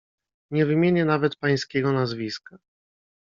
"Nie wymienię nawet pańskiego nazwiska."